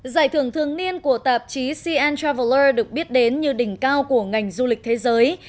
giải thưởng thường niên của tạp chí cn traveler được biết đến như đỉnh cao của ngành du lịch thế giới